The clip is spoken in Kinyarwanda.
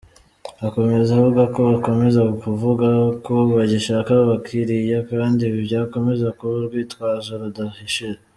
Akomeza avuga ko bakomeza kuvuga ko bagishaka abakiriya kandi ibi byakomeza kuba urwitwazo rudashira.